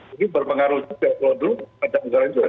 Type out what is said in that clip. ini berpengaruh juga kalau dulu ada anggaran di darat